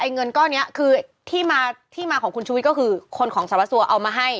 เงินก้อนนี้คือที่มาที่มาของคุณชุวิตก็คือคนของสารวัสสัวเอามาให้